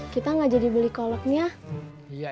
kita gak jadi beli koleknya